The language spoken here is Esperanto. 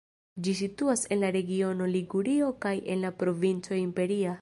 Ĝi situas en la regiono Ligurio kaj en la provinco Imperia.